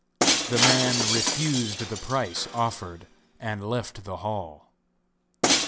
The man refused the price offered and left the hall.